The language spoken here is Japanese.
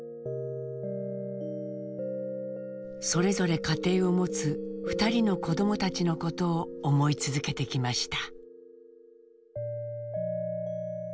それぞれ家庭を持つ２人の子どもたちのことを思い続けてきました。